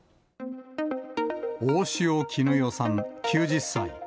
大塩衣与さん９０歳。